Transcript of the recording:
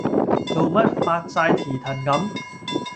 做乜發哂蹄騰咁